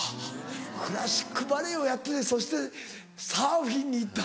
クラシックバレエをやっててそしてサーフィンに行った。